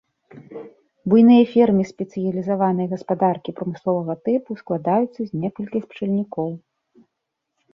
Буйныя фермы і спецыялізаваныя гаспадаркі прамысловага тыпу складаюцца з некалькіх пчальнікоў.